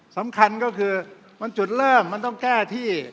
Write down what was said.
สำคัญก็คือมันจุดเริ่มมันต้องแก้ที่